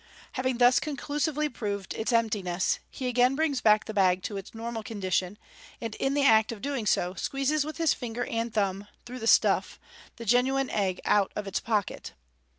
Having thus conclusively proved its emptiness, he again brings back the bag to its normal condition, and in the act of doing so, squeezes with his finger and thumb (through the stuff) the genuine egg out of its pocket.